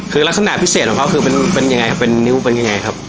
คือลักษณะพิเศษของเขาคือเป็นยังไงครับเป็นนิ้วเป็นยังไงครับ